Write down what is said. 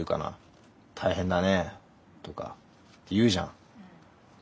大変だねとか言うじゃん。